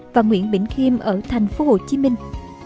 và nguyễn bình khiêm ở thành phố hồ chí minh